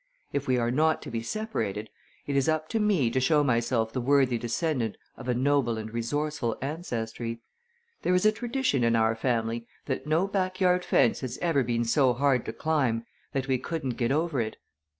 "If we are not to be separated, it is up to me to show myself the worthy descendant of a noble and resourceful ancestry. There is a tradition in our family that no backyard fence has ever been so hard to climb that we couldn't get over it.